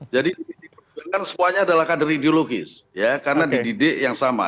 jadi di pdi perjuangan semuanya adalah kader ideologis ya karena dididik yang sama